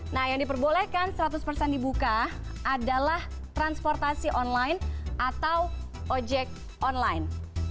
nah yang diperbolehkan seratus persen dibuka adalah transportasi online atau ojek online